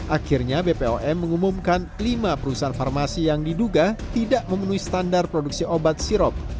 akhirnya bpom mengumumkan lima perusahaan farmasi yang diduga tidak memenuhi standar produksi obat sirop